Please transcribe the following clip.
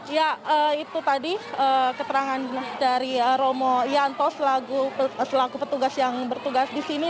ya itu tadi keterangan dari romo yanto selaku petugas yang bertugas di sini